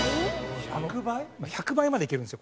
１００倍までいけるんですよ